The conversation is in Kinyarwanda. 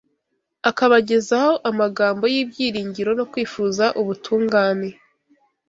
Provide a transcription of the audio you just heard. akabagezaho amagambo y’ibyiringiro no kwifuza ubutungane